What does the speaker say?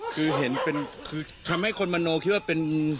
คือเห็นเป็นคือทำให้คนมโนคิดว่าเป็น